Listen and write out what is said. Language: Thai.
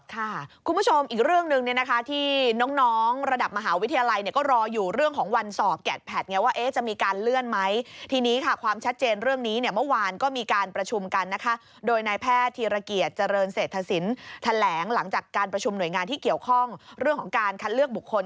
คุณผู้ชมอีกเรื่องหนึ่งเนี่ยนะคะที่น้องระดับมหาวิทยาลัยเนี่ยก็รออยู่เรื่องของวันสอบแกดแพทไงว่าจะมีการเลื่อนไหมทีนี้ค่ะความชัดเจนเรื่องนี้เนี่ยเมื่อวานก็มีการประชุมกันนะคะโดยนายแพทย์ธีรเกียจเจริญเศรษฐศิลป์แถลงหลังจากการประชุมหน่วยงานที่เกี่ยวข้องเรื่องของการคัดเลือกบุคคล